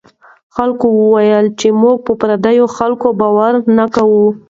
خلکو وویل چې موږ په پردیو خلکو باور نه کوو.